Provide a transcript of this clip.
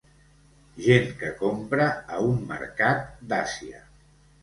Gent que compra a un mercat d'Àsia.